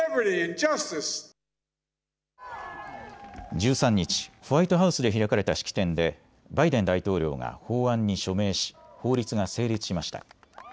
１３日、ホワイトハウスで開かれた式典でバイデン大統領が法案に署名し法律が成立しました。